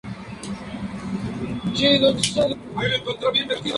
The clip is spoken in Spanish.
Solicitó trabajo en Fiat, pero no se lo tuvo en cuenta.